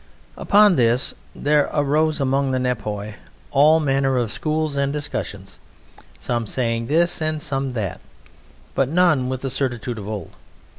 Upon this there arose among the Nepioi all manner of schools and discussions, some saying this and some that, but none with the certitude of old.